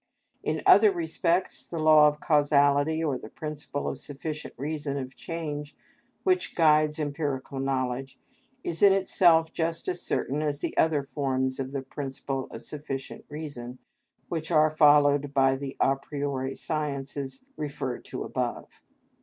In other respects, the law of causality, or the principle of sufficient reason of change, which guides empirical knowledge, is in itself just as certain as the other forms of the principle of sufficient reason which are followed by the a priori sciences referred to above.